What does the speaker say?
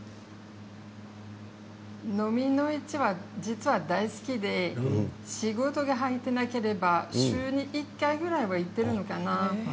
のみの市は実は大好きで仕事が入っていなければ週に１回ぐらいは行っているのかな。